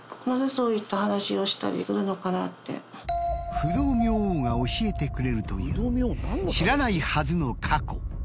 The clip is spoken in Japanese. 不動明王が教えてくれるという知らないはずの過去。